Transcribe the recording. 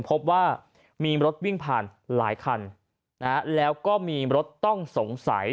พบว่ามีมะรสวิ่งพาหลายคันแล้วก็มีมะรสต้องสงสัย